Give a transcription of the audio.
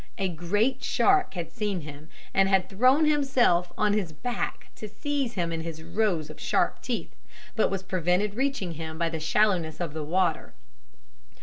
A great shark had seen him and had thrown himself on his back to seize him in his rows of sharp teeth, but was prevented reaching him by the shallowness of the water.